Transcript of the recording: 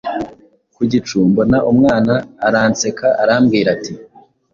Ku gicu mbona Umwana Aranseka arambwira ati: